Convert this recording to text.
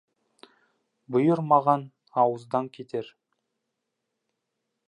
Бұйырмаған ауыздан кетер.